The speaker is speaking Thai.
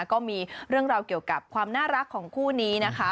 ก็มีเรื่องราวเกี่ยวกับความน่ารักของคู่นี้นะคะ